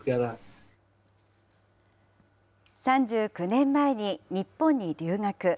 ３９年前に日本に留学。